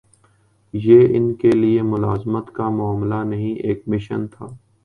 یہ ان کے لیے ملازمت کا معاملہ نہیں، ایک مشن تھا۔